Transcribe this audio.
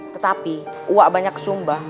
tetapi uak banyak sumbah